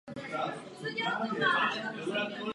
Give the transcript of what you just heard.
Za své působení získal několik televizních cen TýTý.